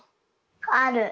ある。